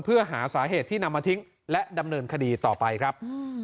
เพื่อหาสาเหตุที่นำมาทิ้งและดำเนินคดีต่อไปครับ